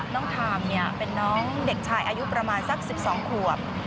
ทามเป็นน้องเด็กชายอายุประมาณสัก๑๒ขวบ